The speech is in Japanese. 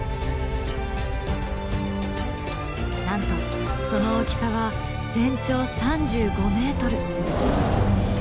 なんとその大きさは全長３５ｍ。